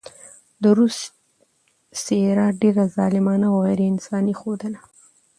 د روس څهره ډېره ظالمانه او غېر انساني ښودله.